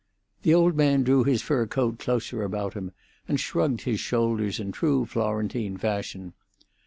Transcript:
The old man drew his fur coat closer about him and shrugged his shoulders in true Florentine fashion.